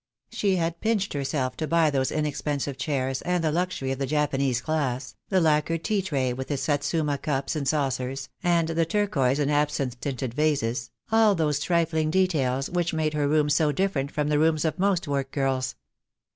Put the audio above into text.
She had pinched herself to buy those inexpensive chairs, and the luxury of the Japanese glass, the lacquered tea tray with its Satsuma cups and saucers, and the turquoise and absinthe tinted vases, all those trifling details which made her room so different from the rooms of most workgirls.